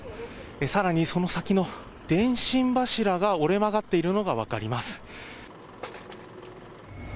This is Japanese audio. さらにその先の電信柱が折れ曲がっているのが分かります。